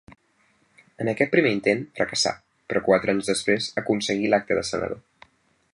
En aquest primer intent fracassà, però quatre anys després aconseguí l'acte de senador.